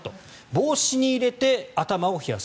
帽子に入れて頭を冷やす。